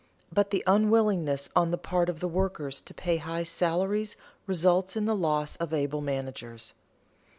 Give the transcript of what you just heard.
But the unwillingness on the part of the workers to pay high salaries results in the loss of able managers.